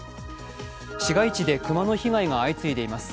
市街地で熊の被害が相次いでいます。